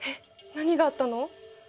何があったの？